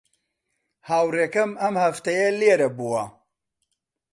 هاوڕێکەم ئەم هەفتەیە لێرە بووە.